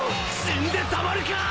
死んでたまるか！